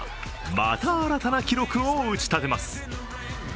また新たな記録を打ち立てます。